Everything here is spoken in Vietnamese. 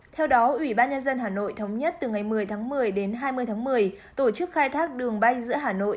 theo đó ủy ban nhân dân hà nội thống nhất từ ngày một mươi tháng một mươi đến hai mươi tháng một mươi tổ chức khai thác đường bay giữa hà nội